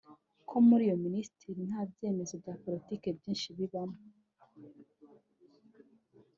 ko muri iyo Ministeri nta byemezo bya politiki byinshi bibamo